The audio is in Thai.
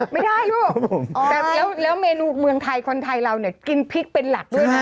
ไม่ถ้าหวานมันหวานกินค่ะไม่ได้ลูกแล้วเมนูเมืองไทยเราเนี่ยกินพริกเป็นหลักด้วยนะ